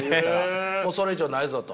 もうそれ以上ないぞと。